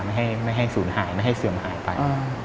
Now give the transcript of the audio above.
ไม่ให้ศูนย์หายไม่ให้เสื่อมหายไป